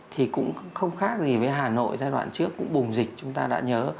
thì cũng không khác gì với hà nội giai đoạn trước cũng bùng dịch chúng ta đã nhớ